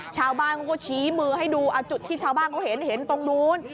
ชาวบ้านก็ชี้มือให้ดูจุดที่ชาวบ้านก็เห็นตรงนู้น